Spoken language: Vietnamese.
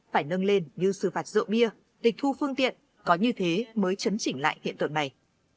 phải nâng lên như xử phạt rượu bia tịch thu phương tiện có như thế mới chấn chỉnh lại hiện tượng này